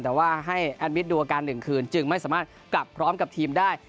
แต่ว่าให้แอดมิตรดูอาการ๑คืนจึงไม่สามารถกลับพร้อมกับทีมได้